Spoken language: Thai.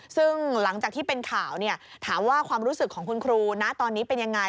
ซึ่งหลังจากที่เป็นข่าวถามว่าความรู้สึกของคุณครูนะตอนนี้เป็นยังไง